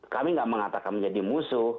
kami tidak mengatakan menjadi musuh